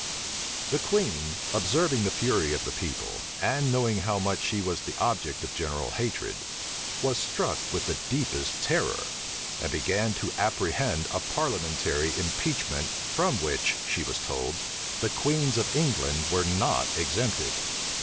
The queen, observing the fury of the people, and knowing how much she was the object of general hatred, was struck with the deepest terror, and began to apprehend a parliamentary impeachment, from which, she was told, the queens of England were not exempted.